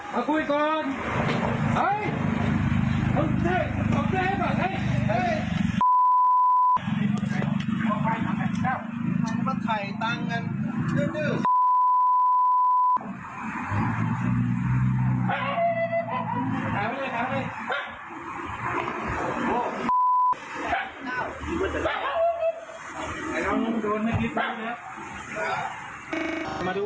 ฝั่งล่ะ